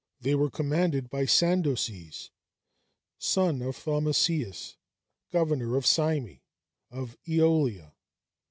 They were commanded by Sandoces, son of Thaumasius, governor of Cyme, of Æolia.